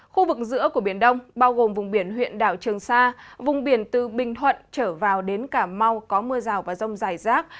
khu vực giữa của biển đông bao gồm vùng biển huyện đảo trường sa vùng biển từ bình thuận trở vào đến cà mau có mưa rào và rông dài rác